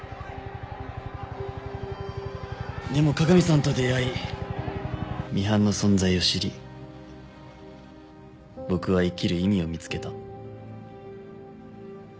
でも加賀美さんと出会いミハンの存在を知り僕は生きる意味を見つけた。